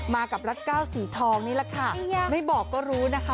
มากับรัฐเก้าสีทองนี่แหละค่ะไม่บอกก็รู้นะคะ